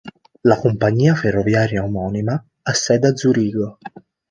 La compagnia ferroviaria omonima ha sede a Zurigo.